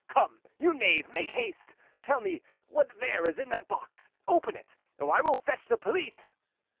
Come, you knave, make haste. Tell me what there is in that box; open it, or I will fetch the police."